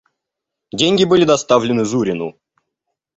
Деньги были доставлены Зурину.